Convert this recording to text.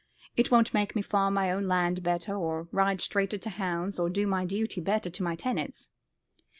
It won't make me farm my own land better, or ride straighter to hounds, or do my duty better to my tenants."